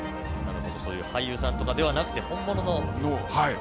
俳優さんとかではなくて本物のなんですね。